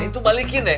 itu balikin deh